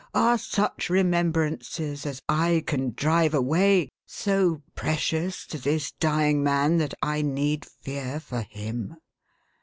Are such remembrances as I can drive away, so precious to this dying man that I need fear for him